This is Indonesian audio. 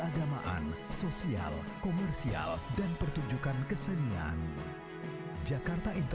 yang selalu tersaji bisa ku silati